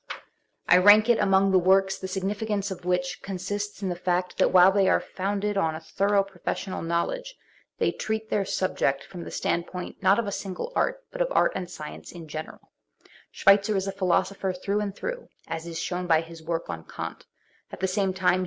I rank it X Preface to the German Edition (1908.) among tlic works the significance of which consists in the fact that while they arc founded on a thorough professional knowledge, they treat their subject from the standpoint not of a single art but of art and science in general, Schweitzer is a philosopher through and through^ as is shewn by his work on Kant; at the same*, time he.